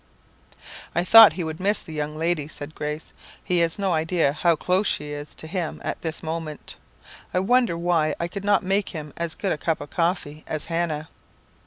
"'I thought he would miss the young lady,' said Grace. 'He has no idea how close she is to him at this moment. I wonder why I could not make him as good a cup of coffee as Hannah.